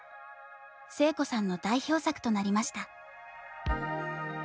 聖子さんの代表作となりました。